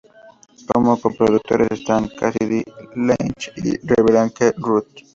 Como co-productores están Cassidy Lange y Rebekah Rudd.